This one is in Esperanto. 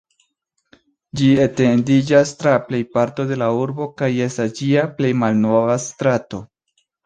Ĝi etendiĝas tra plejparto de la urbo kaj estas ĝia plej malnova strato.